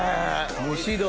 蒸し鶏。